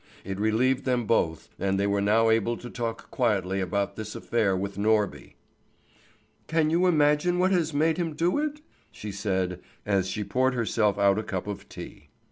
It relieved them both, and they were now able to talk quietly about this affair with Norby. "Can you imagine what has made him do it?" she said, as she poured herself out a cup of tea.